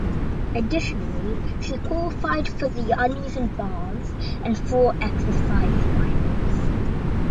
Additionally she qualified for the uneven bars and floor exercise finals.